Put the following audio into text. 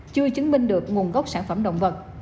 chưa chứng minh được nguồn gốc sản phẩm động vật